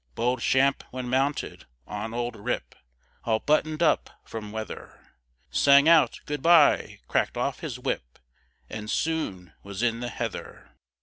Bold Champe, when mounted on old Rip, All button'd up from weather, Sang out, "good by!" crack'd off his whip, And soon was in the heather.